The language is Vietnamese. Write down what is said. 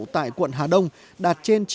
tại quận hà đông đạt trên chín mươi